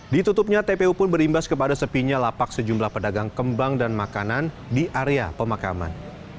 ditutupnya tpu pun berimbas kepada sepinya lapak sejumlah pedagang kembang dan makanan di area pemakaman